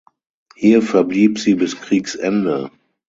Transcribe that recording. Hier verblieb sie bis Kriegsende.